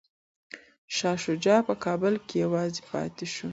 شاه شجاع په کابل کي یوازې پاتې شو.